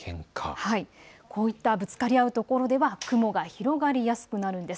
こういったぶつかり合うところでは雲が広がりやすくなるんです。